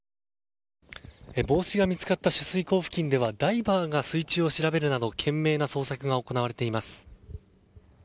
帽子が見つかった取水口付近ではダイバーが水中を調べるなど懸命な捜索が行われています。